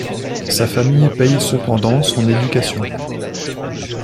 Sa famille paye cependant son éducation.